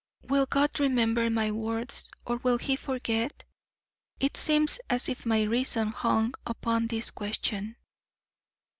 "Will God remember my words, or will He forget? It seems as if my reason hung upon this question."